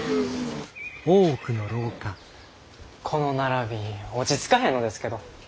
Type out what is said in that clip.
この並び落ち着かへんのですけど。